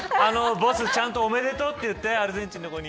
ボス、ちゃんとおめでとうって言ってアルゼンチンの子に。